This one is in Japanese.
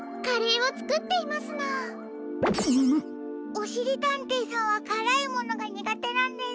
おしりたんていさんはからいものがにがてなんです。